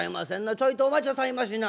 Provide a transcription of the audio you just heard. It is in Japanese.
ちょいとお待ちなさいましな。